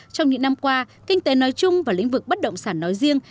trong những năm qua kinh tế nói chung và lĩnh vực bất động sản nói riêng